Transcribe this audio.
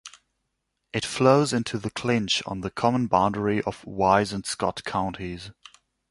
It flows into the Clinch on the common boundary of Wise and Scott Counties.